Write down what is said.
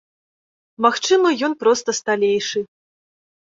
Магчыма, ён проста сталейшы.